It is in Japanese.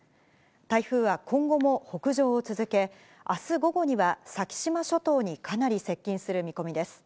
台風は今後も北上を続け、あす午後には先島諸島にかなり接近する見込みです。